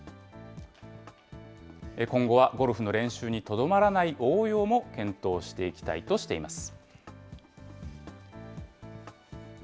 今後はゴルフの練習にとどまらない応用も検討していきたいとしています。